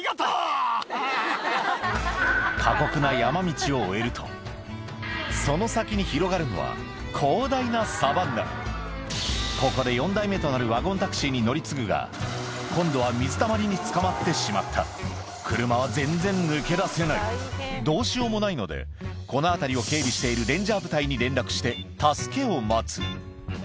過酷なその先に広がるのは広大なここで４台目となるワゴンタクシーに乗り継ぐが今度は水たまりにつかまってしまった車は全然抜け出せないどうしようもないのでこの辺りを警備しているするとうっ。